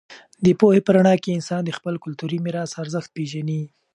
د پوهې په رڼا کې انسان د خپل کلتوري میراث ارزښت پېژني.